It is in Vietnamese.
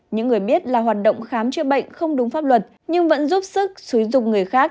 những người biết là hoạt động khám chữa bệnh không đúng pháp luật nhưng vẫn giúp sức xúi dục người khác